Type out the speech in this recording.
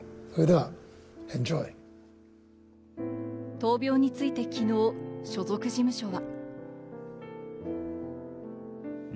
闘病について昨日、所属事務所は。